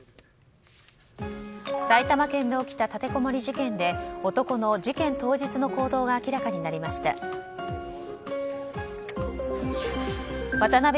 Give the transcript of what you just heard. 埼玉県で起きた立てこもり事件で男の事件当日の行動が明らかになりました。